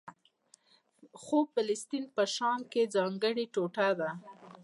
خو فلسطین په شام کې ځانګړې ټوټه ده.